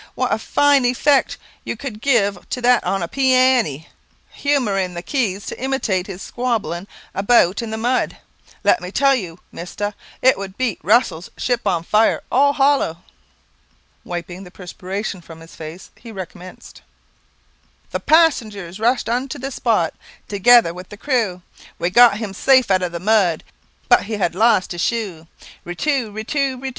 "What a fine effect you could give to that on the pee a ne, humouring the keys to imitate his squabbling about in the mud. Let me tell you, mister, it would beat Russell's 'Ship on Fire' all hollow." Wiping the perspiration from his face, he recommenced "The passengers rushed unto the spot, Together with the crew; We got him safe out of the mud, But he had lost his shoe. Ri, tu, ri, tu, ri, tu."